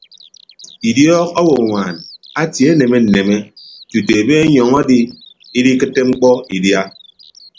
Idiọk owonwaan atie aneme nneme tutu ebe anyọñ adi idikịtte mkpọ idia.